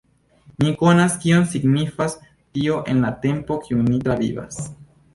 Mi konas kion signifas tio en la tempo kiun ni travivas.